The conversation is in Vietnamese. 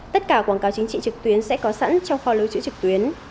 tất cả quảng cáo chính trị trực tuyến sẽ có sẵn trong kho lưu trữ trực tuyến